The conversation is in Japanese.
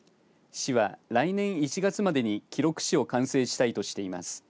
市は来年１月までに記録誌を完成したいとしています。